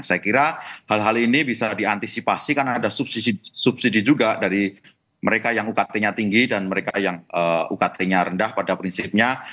saya kira hal hal ini bisa diantisipasi karena ada subsidi juga dari mereka yang ukt nya tinggi dan mereka yang ukt nya rendah pada prinsipnya